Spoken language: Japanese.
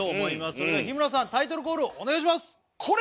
それでは日村さんタイトルコールをお願いします！